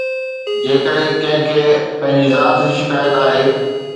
جيڪڏهن ڪنهن کي پنهنجي ذات جي شڪايت آهي.